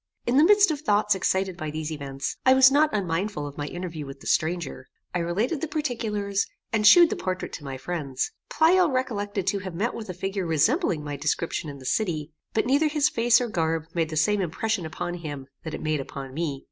In the midst of thoughts excited by these events, I was not unmindful of my interview with the stranger. I related the particulars, and shewed the portrait to my friends. Pleyel recollected to have met with a figure resembling my description in the city; but neither his face or garb made the same impression upon him that it made upon me.